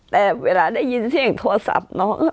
แต่เวลาได้ยินเสียงโทรศัพท์น้อง